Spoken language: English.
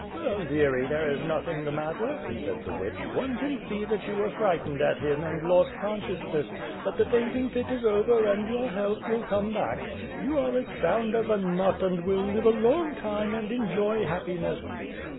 "Well dearie, there is nothing the matter," said the witch, "one can see that you were frightened at him and lost con sciousness; but the fainting fit is over and your health will come back. You are as sound as a nut and will live a long time and enjoy happiness.